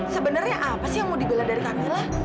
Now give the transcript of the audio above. sebenarnya apa sih yang mau dibela dari kamila